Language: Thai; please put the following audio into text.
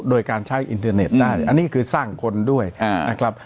โดยการใช้อินเทอร์เน็ตได้อันนี้คือสร้างคนด้วยนะครับ